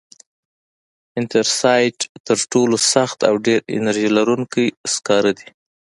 انترسایت تر ټولو سخت او ډېر انرژي لرونکی سکاره دي.